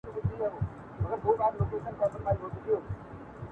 په ځان کي ورک يمه، خالق ته مي خال خال ږغېږم~